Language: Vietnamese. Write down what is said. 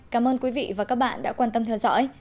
cảm ơn quý vị và các bạn đã quan tâm theo dõi